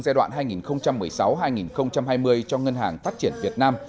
giai đoạn hai nghìn một mươi sáu hai nghìn hai mươi cho ngân hàng phát triển việt nam